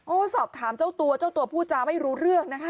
สอบถามเจ้าตัวเจ้าตัวพูดจาไม่รู้เรื่องนะคะ